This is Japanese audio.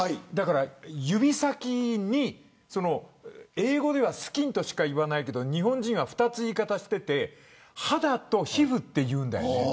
指先に英語ではスキンとしか言わないけど日本人は２つ言い方があって肌と皮膚って言うんだよね。